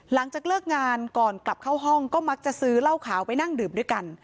หลังจากเลิกงานก่อนกลับเข้าห้องก็มักจะซื้อเหล้าขาวไปนั่งดื่มด้วยกัน